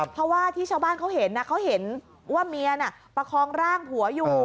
เพราะว่าที่ชาวบ้านเขาเห็นเขาเห็นว่าเมียน่ะประคองร่างผัวอยู่